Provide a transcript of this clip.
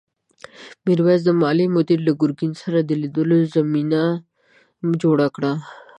میرويس د مالیې مدیر له ګرګین سره د لیدو زمینه جوړه کړه.